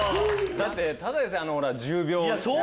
だってただでさえあの１０秒。